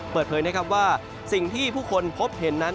เปิดเผยนะครับว่าสิ่งที่ผู้คนพบเห็นนั้น